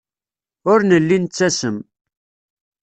Ur nelli nettasem.